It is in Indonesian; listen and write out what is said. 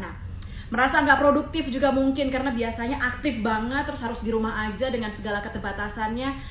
nah merasa nggak produktif juga mungkin karena biasanya aktif banget terus harus di rumah aja dengan segala keterbatasannya